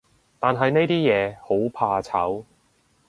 但係呢啲嘢，好怕醜